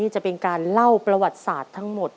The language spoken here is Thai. จะเป็นการเล่าประวัติศาสตร์ทั้งหมด